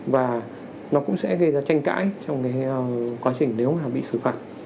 và nó cũng sẽ gây ra tranh cãi trong quá trình nếu mà bị xử phạt